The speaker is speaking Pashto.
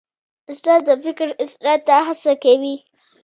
استاد د فکر اصلاح ته هڅه کوي.